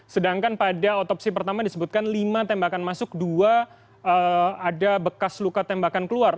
sedangkan pada otopsi pertama disebutkan lima tembakan masuk dua ada bekas luka tembakan keluar